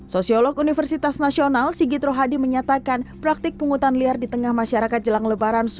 sosiolog universitas nasional sigit rohadi menyatakan praktik pungutan liar di tengah masyarakat jelang lebaran